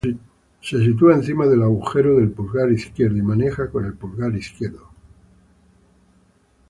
Se sitúa encima del agujero del pulgar izquierdo y maneja con el pulgar izquierdo.